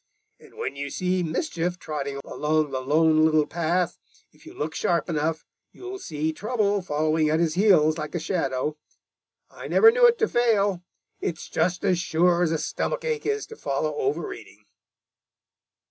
And when you see Mischief trotting along the Lone Little Path, if you look sharp enough, you'll see Trouble following at his heels like a shadow. I never knew it to fail. It's just as sure as a stomach ache is to follow overeating."